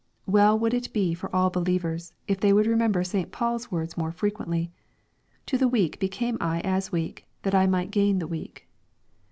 Well would it be for all believers, if they would remember St. Paul's words more frequently, " To the weak became I as weak, that I might gain the weak."